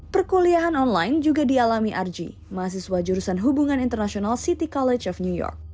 perkuliahan online juga dialami arji mahasiswa jurusan hubungan internasional city college of new york